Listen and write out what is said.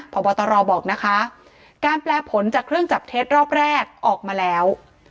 พบตรบอกนะคะการแปลผลจากเครื่องจับเท็จรอบแรกออกมาแล้ว